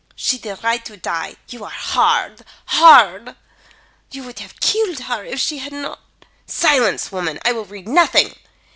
She did right to die. You are hard hard. You would have killed her if she had not " "Silence, woman! I will read nothing!"